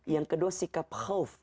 yang kedua sikap khawf